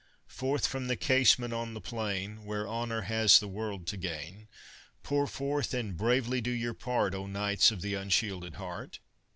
Forth from the casement, on the plain Where honour has the world to gain, Pour forth and bravely do your part, O knights of the unshielded heart